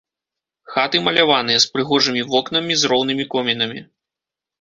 Хаты маляваныя, з прыгожымі вокнамі, з роўнымі комінамі.